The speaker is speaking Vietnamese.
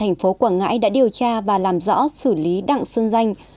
thành phố quảng ngãi đã điều tra và làm rõ xử lý đặng xuân danh